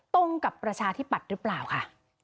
ตรงกับประชาธิปัตย์หรือเปล่าค่ะ